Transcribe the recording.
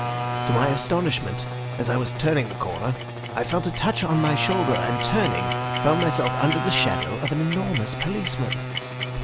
To my astonishment, as I was turning the corner, I felt a touch on the shoulder, and turning, found myself under the shadow of an enormous policeman.